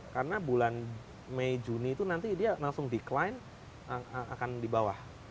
karena bulan mei juni itu nanti dia langsung decline akan di bawah